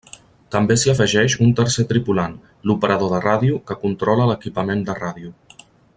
També s'hi afegeix un tercer tripulant, l'operador de ràdio, que controla l'equipament de ràdio.